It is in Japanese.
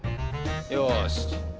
よし。